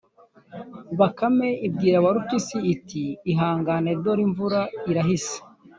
bakame ibwira warupyisi iti: “ihangane dore imvura irahise,